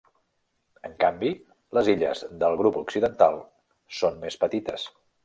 En canvi, les illes del grup occidental són més petites.